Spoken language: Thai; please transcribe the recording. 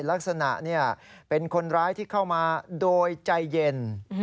ลักษณะเป็นคนร้ายที่เข้ามาโดยใจเย็น